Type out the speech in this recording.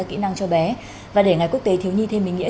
kỹ năng cho bé và để ngày quốc tế thiếu nhi thêm ý nghĩa